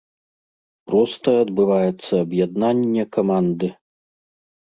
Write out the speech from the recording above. Проста адбываецца аб'яднанне каманды.